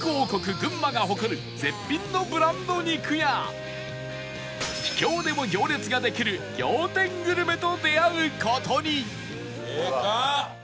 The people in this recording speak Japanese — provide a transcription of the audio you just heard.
群馬が誇る絶品のブランド肉や秘境でも行列ができる仰天グルメと出会う事にでかっ！